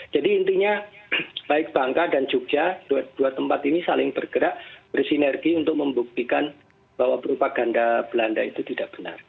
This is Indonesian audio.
jadi intinya baik bangka dan jogja dua tempat ini saling bergerak bersinergi untuk membuktikan bahwa propaganda belanda itu tidak benar